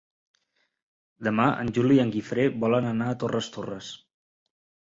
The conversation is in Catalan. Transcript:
Demà en Juli i en Guifré volen anar a Torres Torres.